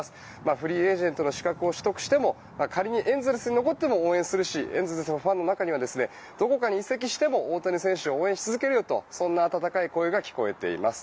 フリーエージェントの資格を取得しても仮にエンゼルスに残っても応援するしエンゼルスのファンの中にはどこかに移籍しても大谷選手を応援し続けるよとそんな温かい声が聞こえています。